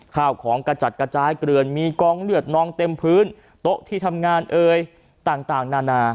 ข้าวของกระจัดกระจายเกลือนมีกองเลือดน้องเต็มพื้นโต๊ะที่ทำงานเอ่ยต่างนานา